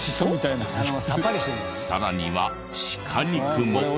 さらにはシカ肉も。